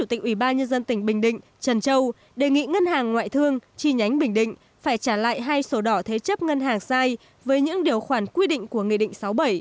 trần châu đề nghị ngân hàng ngoại thương chi nhánh bình định phải trả lại hai số đỏ thế chấp ngân hàng sai với những điều khoản quy định của nguyện định sáu bảy